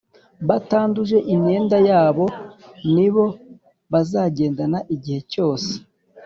Batanduje imyenda yabo ni bo bazagendana igihe cyose.